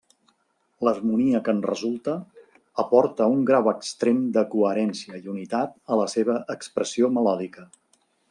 L'harmonia que en resulta aporta un grau extrem de coherència i unitat a la seva expressió melòdica.